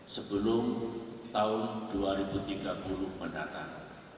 sebelum tahun dua ribu tiga puluh mendatang